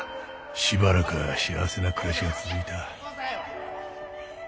しばらくは幸せな暮らしが続いた。